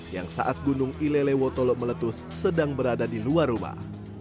yang saat gunung ilelewotolo meletus sedang berada di luar rumah